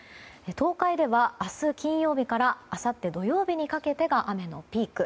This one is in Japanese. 東海では明日金曜日からあさって土曜日にかけてが雨のピーク。